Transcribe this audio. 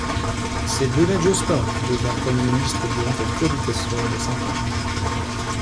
C'est Lionel Jospin qui devient Premier ministre durant cette cohabitation de cinq ans.